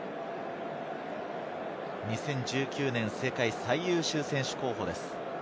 ２０１９年、世界最優秀選手候補です。